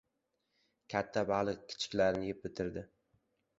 • Katta baliq kichiklarini yeb bitiradi.